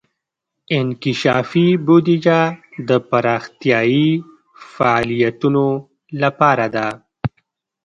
انکشافي بودیجه د پراختیايي فعالیتونو لپاره ده.